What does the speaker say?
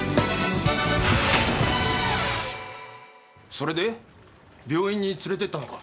それで病院に連れてったのか？